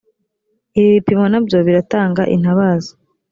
ibi bipimo nabyo biratanga intabaza